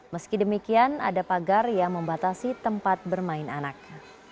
meski demikian ada pagar yang membatasi tempat bermain anak